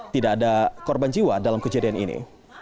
tidak ada korban jiwa dalam kejadian ini